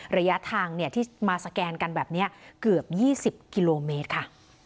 ระยะทางที่มาสแกนกันแบบนี้เกือบ๒๐กิโลเมตรค่ะ